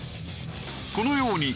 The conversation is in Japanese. このように